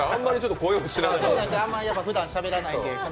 あんまりふだんしゃべらないんで。